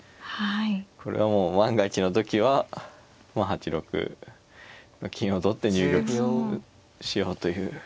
これはもう万が一の時はもう８六の金を取って入玉しようという。